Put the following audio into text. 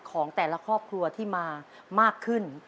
ของแต่ละครอบครัวที่มามากขึ้น